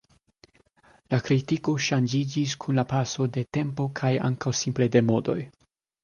La kritiko ŝanĝiĝis kun la paso de tempo kaj ankaŭ simple de modoj.